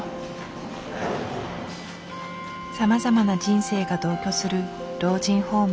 さまざまな人生が同居する老人ホーム。